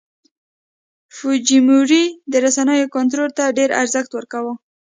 فوجیموري د رسنیو کنټرول ته ډېر ارزښت ورکاوه.